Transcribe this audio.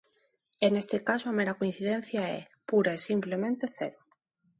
E neste caso a mera coincidencia é, pura e simplemente, cero.